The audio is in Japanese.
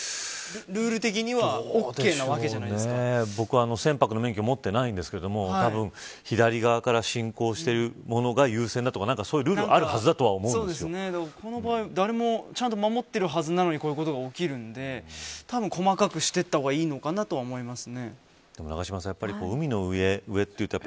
ルール的には僕は船舶の免許を持っていないんですけどたぶん、左側から進行しているものが優先だとかそういうルールがあるとこの場合、誰も守ってるはずなのにこういうことが起きているので細かくしていった方がいいかなと思います。